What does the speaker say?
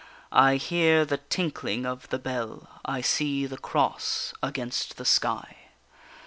I hear the tinkling of the bell, I see the cross against the sky.